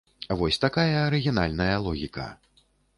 Вось такая арыгінальная логіка.